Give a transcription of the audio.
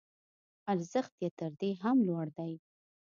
ارزښت یې تر دې هم لوړ دی.